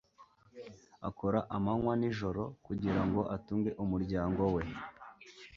Akora amanywa n'ijoro kugira ngo atunge umuryango we.